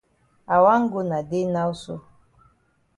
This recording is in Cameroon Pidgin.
I wan go na dey now so.